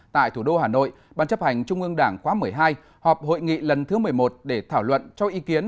tại thủ đô hà nội ban chấp hành trung ương đảng khóa một mươi hai họp hội nghị lần thứ một mươi một để thảo luận cho ý kiến